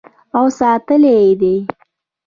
او ساتلی یې دی.